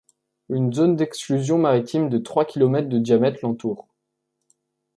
Une zone d'exclusion maritime de trois kilomètres de diamètre l'entoure.